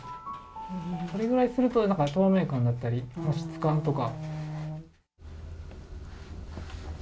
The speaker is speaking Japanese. それぐらいすると透明感が出たり質感とか。